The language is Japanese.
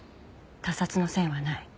他殺の線はない。